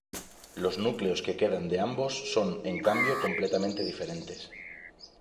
Los núcleos que quedan de ambos son, en cambio, completamente diferentes.